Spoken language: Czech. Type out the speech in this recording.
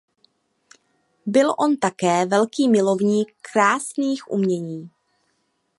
Byl on také velký milovník krásných umění.